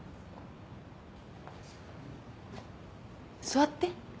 座って。